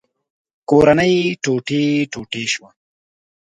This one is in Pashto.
کورنۍ ټوټې ټوټې شوه.